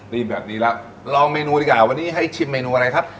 ดีแบบนี้แล้วลองเมนูดีกว่าวันนี้ให้ชิมเมนูอะไรครับ